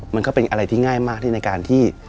มันก็เป็นอะไรที่ง่ายมากที่ในการที่